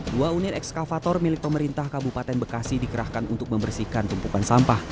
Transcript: dua unit ekskavator milik pemerintah kabupaten bekasi dikerahkan untuk membersihkan tumpukan sampah